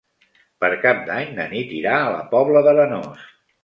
Per Cap d'Any na Nit irà a la Pobla d'Arenós.